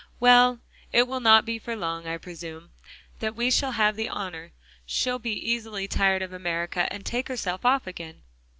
"Well, it will not be for long, I presume, that we shall have the honor; she'll be easily tired of America, and take herself off again."